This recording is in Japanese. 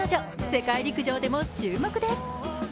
世界陸上でも注目です。